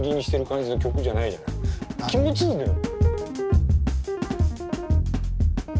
気持ちいいのよ。